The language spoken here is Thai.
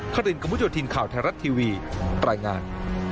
ครินกระมุดโยธินข่าวไทยรัฐทีวีรายงาน